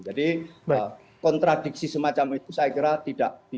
jadi kontradiksi semacam itu saya kira tidak ada